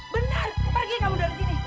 benar pergi kamu dari sini